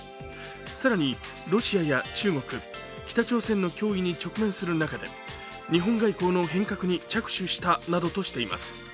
更にロシアや中国北朝鮮の脅威に直面する中で日本外交の変革に着手したなどとしています。